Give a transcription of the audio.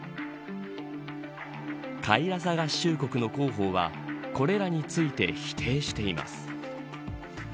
カイラサ合衆国の広報はこれらについて否定しています。